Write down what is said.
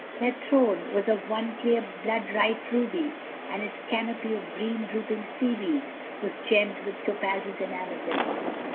Their throne was of one clear blood bright ruby, and its canopy of green drooping seaweed was gemmed with topazes and amethysts.